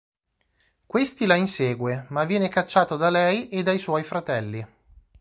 Questi la insegue, ma viene cacciato da lei e dai suoi fratelli.